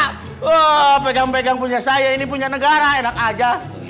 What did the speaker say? wah pegang pegang punya saya ini punya negara enak aja